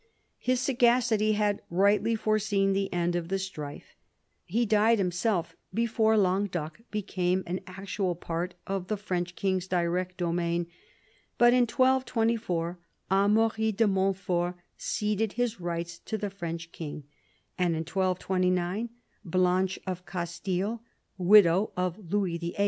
His sagacity had rightly foreseen the end of the strife. He died himself before Languedoc became an actual part of the French king's direct domain. But in 1224 Amaury de Montfort ceded his rights to the French king, and in 1229 Blanche of Castile, widow of Louis VIII.